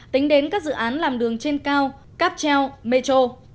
tính đến các dự án làm đường trên cao cáp treo metro